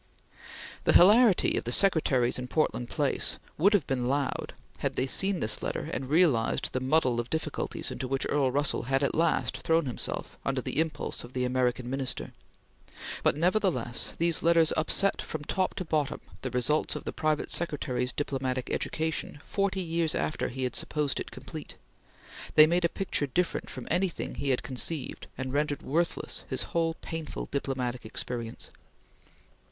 The hilarity of the secretaries in Portland Place would have been loud had they seen this letter and realized the muddle of difficulties into which Earl Russell had at last thrown himself under the impulse of the American Minister; but, nevertheless, these letters upset from top to bottom the results of the private secretary's diplomatic education forty years after he had supposed it complete. They made a picture different from anything he had conceived and rendered worthless his whole painful diplomatic experience.